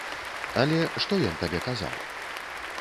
Але, што ён табе казаў?